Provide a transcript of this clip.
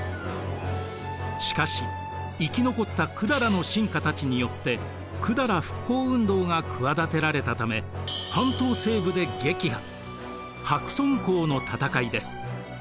しかし生き残った百済の臣下たちによって百済復興運動が企てられたため半島西部で撃破白村江の戦いです。